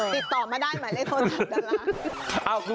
ติดต่อมาได้เหมือนกับทนท้ำดาลัง